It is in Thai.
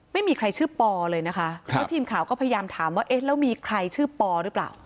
ไม่มีใครชื่อปอเลยนะคะแล้วทีมข่าวก็พยายามถามว่าเอ๊ะแล้วมีใครชื่อปอหรือเปล่า